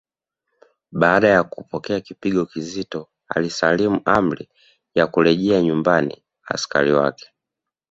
Baada ya kupokea kipigo kizito alisalimu amri na kurejesha nyumbani askari wake